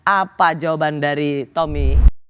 apa jawaban dari tommy